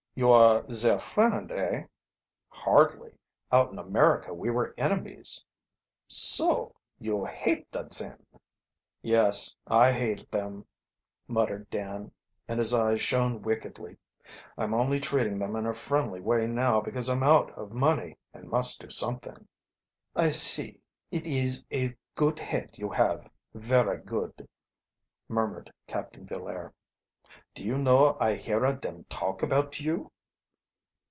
"You are zare friend, eh?" "Hardly. Out in America we were enemies." "So? You hata zem?" "Yes, I hate them," muttered Dan, and his eyes shone wickedly. "I'm only treating them in a friendly way now because I'm out of money and must do something." "I see. It ees a good head you have verra good," murmured Captain Villaire. "Do you know, I heara dem talk about you?"